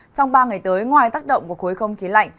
trong ba ngày tới ngoài tác động của khối không khí lạnh